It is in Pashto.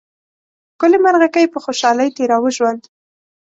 ښکلې مرغکۍ په خوشحالۍ تېراوه ژوند